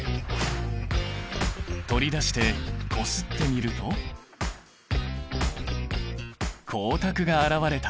取り出してこすってみると光沢があらわれた！